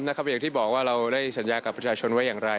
อย่างที่บอกว่าเราได้สัญญากับประชาชนไว้อย่างไร